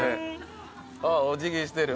あっお辞儀してる。